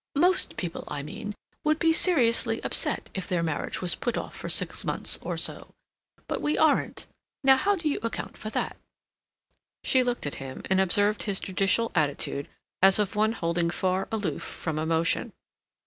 "Most people, I mean, would be seriously upset if their marriage was put off for six months or so. But we aren't; now how do you account for that?" She looked at him and observed his judicial attitude as of one holding far aloof from emotion.